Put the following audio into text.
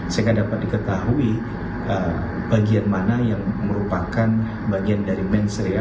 sehingga dapat diketahui bagian mana yang merupakan bagian dari menseri ya